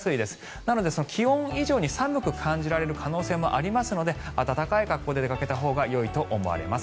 なので気温以上に寒く感じられる可能性もありますので温かい格好で出かけたほうがよいと思われます。